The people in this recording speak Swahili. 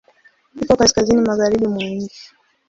Iko kaskazini magharibi mwa nchi.